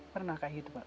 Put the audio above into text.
pernah kayak gitu pak